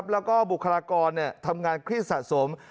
แล้วก็บุคลากรทำงานเครียดสะสม